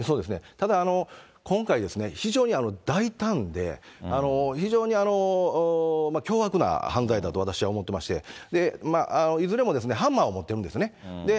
ただ、今回、非常に大胆で、非常に凶悪な犯罪だと私は思ってまして、いずれもハンマーを持ってるんですね。